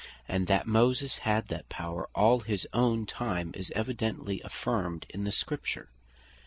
And that Moses had that power all his own time, is evidently affirmed in the Scripture.